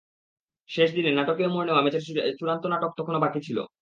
শেষ দিনে নাটকীয় মোড় নেওয়া ম্যাচের চূড়ান্ত নাটক তখনো বাকি ছিল।